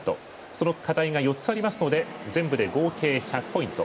その課題が４つありますので全部で合計１００ポイント